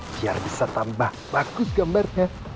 biar bisa tambah bagus gambarnya